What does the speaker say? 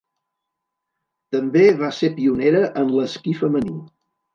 També va ser pionera en l'esquí femení.